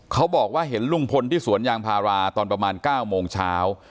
เขาบอกว่าเห็นลุงพลที่สวนยางพาราตอนประมาณ๙โมงเช้า